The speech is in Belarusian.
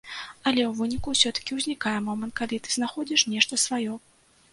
Але ў выніку ўсё-такі ўзнікае момант, калі ты знаходзіш нешта сваё.